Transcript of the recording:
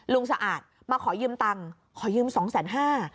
สะอาดมาขอยืมตังค์ขอยืมสองแสนห้า